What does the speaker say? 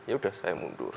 ya udah saya mundur